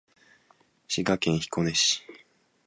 滋賀県彦根市